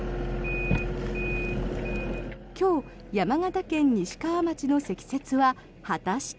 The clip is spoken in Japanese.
今日、山形県西川町の積雪は果たして。